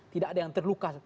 tidak ada yang terluka